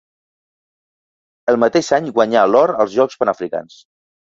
El mateix any guanyà l'or als Jocs Panafricans.